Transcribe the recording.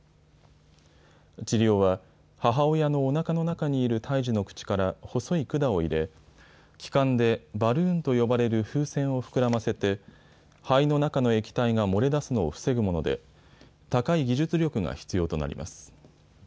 治療は母親のおなかの中にいる胎児の口から細い管を入れ気管でバルーンと呼ばれる風船を膨らませて肺の中の液体が漏れ出すのを防ぐもので高い技術力が必要となります。